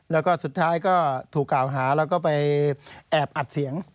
แล้วก็สุดท้ายก็ถูกกล่าวหาแล้วก็ไปแอบอัดเสียง